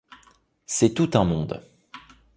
C’est tout un monde.